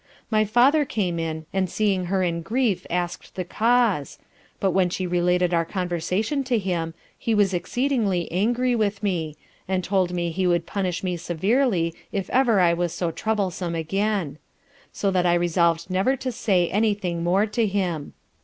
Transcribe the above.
My father came in, and seeing her in grief asked the cause, but when she related our conversation to him, he was exceedingly angry with me, and told me he would punish me severely if ever I was so troublesome again; so that I resolved never to say any thing more to him.